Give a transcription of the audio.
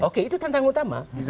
oke itu tantangan utama